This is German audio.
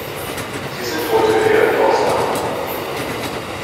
Sie sind heute eher die Ausnahme.